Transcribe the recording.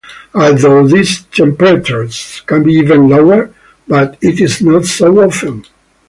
Although these temperatures can be even lower, but it is not so often.